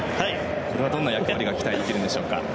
これはどんな役割が期待できるんでしょうか？